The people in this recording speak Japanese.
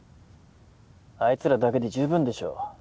あいつらだけで十分でしょ。